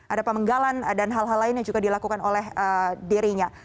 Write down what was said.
ada pemenggalan dan hal hal lain yang juga dilakukan oleh dirinya